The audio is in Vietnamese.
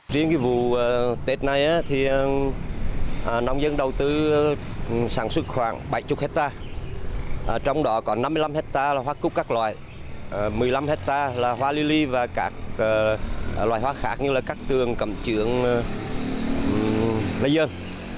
riêng cái vụ tết này thì nông dân đầu tư sản xuất khoảng bảy mươi hecta trong đó còn năm mươi năm hecta hoa cúp các loại một mươi năm hecta là hoa lili và các loại hoa khác như là cát tường cầm trưởng lai ơn